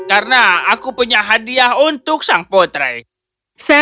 karena aku punya hadiah untuk sang putri